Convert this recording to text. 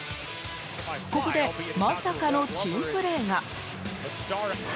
ここで、まさかの珍プレーが。